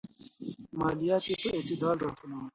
ماليات يې په اعتدال راټولول.